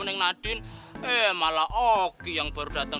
neng nadine eh malah oki yang baru datang